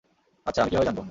আচ্ছা, আমি কীভাবে জানব?